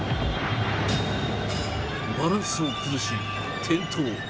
バランスを崩し、転倒。